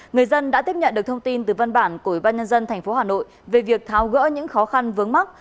người dân đã tiếp nhận được thông tin từ văn bản của ủy ban nhân dân tp hà nội về việc tháo gỡ những khó khăn vướng mắc